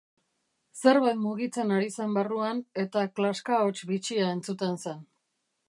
Zerbait mugitzen ari zen barruan, eta klaska-hots bitxia entzuten zen.